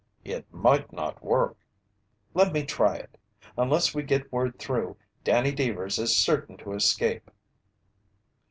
"It might not work." "Let me try it. Unless we get word through, Danny Deevers is certain to escape."